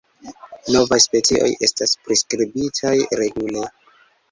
Novaj specioj estas priskribitaj regule.